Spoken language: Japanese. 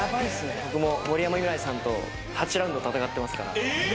僕も森山未來さんと８ラウンド戦ってますから。